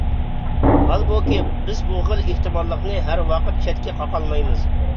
ھالبۇكى، بىز بۇ خىل ئېھتىماللىقنى ھەر ۋاقىت چەتكە قاقالمايمىز.